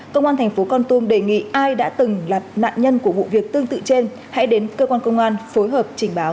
công an thành phố con tum đề nghị ai đã từng là nạn nhân của vụ việc tương tự trên hãy đến cơ quan công an phối hợp trình báo